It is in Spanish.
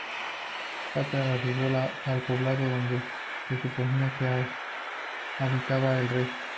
Cota arribó al poblado donde se suponía que habitaba el rey.